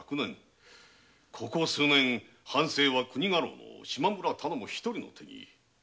ここ数年藩政は国家老の島村頼母一人の手に。